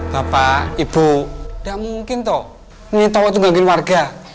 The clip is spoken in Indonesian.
bapak ibu gak mungkin toh nini towo itu gangguin warga